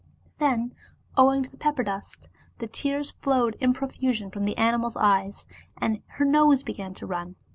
Then owing to the pepper dust, the tears flowed in profusion from the animal's eyes, and her nose began to run.